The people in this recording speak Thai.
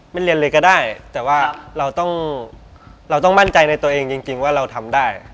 เรียนเลยก็ได้แต่ว่าเราต้องเราต้องมั่นใจในตัวเองจริงว่าเราทำได้